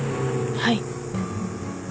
はい。